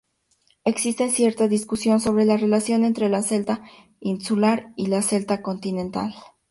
Existe cierta discusión sobre la relación entre el celta insular y el celta continental.